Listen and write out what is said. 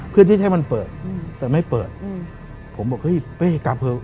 เพื่อที่จะให้มันเปิดแต่ไม่เปิดผมบอกเฮ้ยเป้กลับเถอะ